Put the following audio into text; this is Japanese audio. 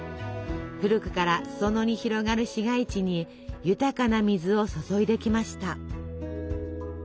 古くから裾野に広がる市街地に豊かな水を注いできました。